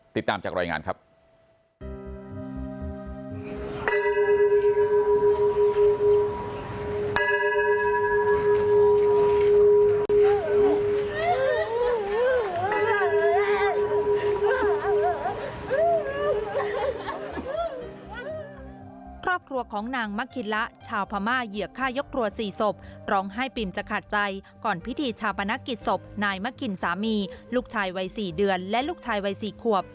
ติดตามจากรายงานครับ